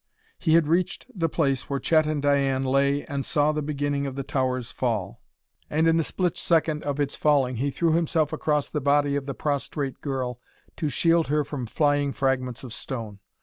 He had reached the place where Chet and Diane lay and saw the beginning of the tower's fall; and in the split second of its falling he threw himself across the body of the prostrate girl to shield her from flying fragments of stone.